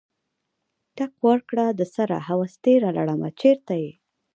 ټک ورکړه دسره هوس تیره لړمه چرته یې؟